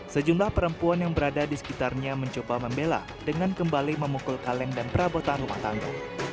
sejumlah perempuan yang berada di sekitarnya mencoba membela dengan kembali memukul kaleng dan perabotan rumah tangga